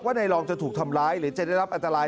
นายรองจะถูกทำร้ายหรือจะได้รับอันตราย